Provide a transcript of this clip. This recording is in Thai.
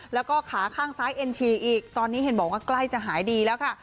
แล้วก็ขาข้างซ้ายเอ็นฉี่อีกตอนนี้เห็นบอกว่าใกล้จะหายดีแล้วค่ะ